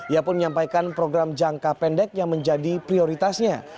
ia pun menyampaikan program jangka pendek yang menjadi prioritasnya